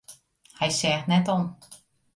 Hy seach net om.